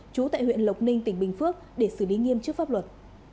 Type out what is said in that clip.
trú tại huyện lộc ninh tỉnh bình phước để xử lý nghiêm trước pháp luật